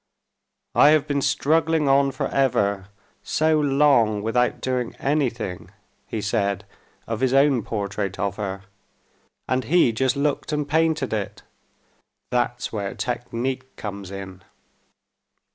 "I have been struggling on for ever so long without doing anything," he said of his own portrait of her, "and he just looked and painted it. That's where technique comes in."